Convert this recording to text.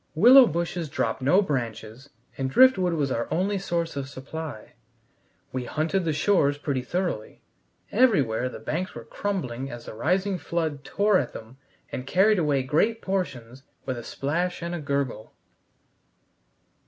Willow bushes drop no branches, and driftwood was our only source of supply. We hunted the shores pretty thoroughly. Everywhere the banks were crumbling as the rising flood tore at them and carried away great portions with a splash and a gurgle.